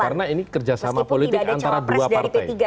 karena ini kerja sama politik antara dua partai